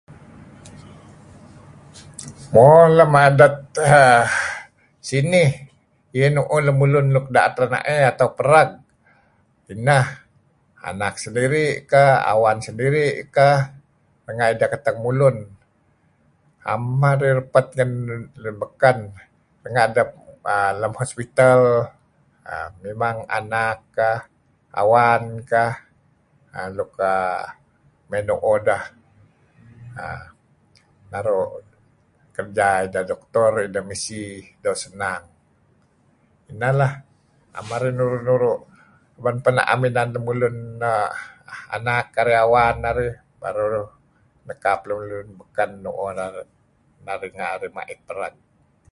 Mo... lem adet ehh... sinih, iih nu'uh lemulun nuk da'et renaey, atau pereg ineh, anak sendiri' keh, awan sediri' kah nga' ideh keteng mulun. Em arih repet ngen lun beken. Renga' ideh lem hospital aaa... mimang anak kah, awan kah luk err... mey nu'uh deh... err, . naru' kereja ideh doktor, ideh misi doo' snang. Neh lah. 'Em arih nuru-nuru. 'Ban peh na'em inan lemulun err... anak narih. awan narih merur nekap lemulun beken nu'ru'-nuru' narih, nekap lemulun beken marih nu; uh narih renga' narih ma'it pereg.